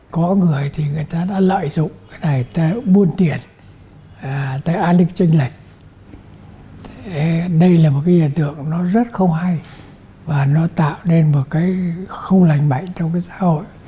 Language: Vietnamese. có người thì người ta đã lợi dụng để buôn tiền tới an ninh tranh lệch đây là một cái hiện tượng nó rất không hay và nó tạo nên một cái không lành mạnh trong cái xã hội